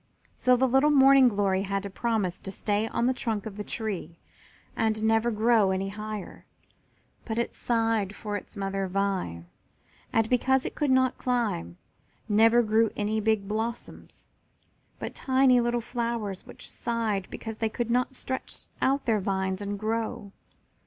So the little Morning glory had to promise to stay on the trunk of the tree and never grow any higher, but it sighed for its mother vine, and, because it could not climb, never grew any big blossoms, but tiny little flowers which sighed because they could not stretch out their vines and grow.